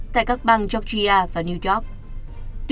tại các bang georgia và new york